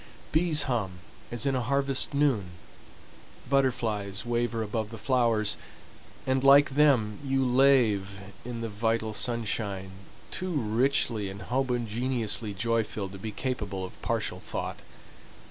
Bees hum as in a harvest noon, butterflies waver above the flowers, and like them you lave in the vital sunshine, too richly and homogeneously joy filled to be capable of partial thought.